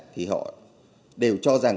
thì họ đều cho rằng